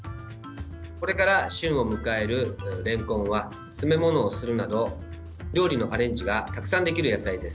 これから旬を迎えるれんこんは詰め物をするなど料理のアレンジがたくさんできる野菜です。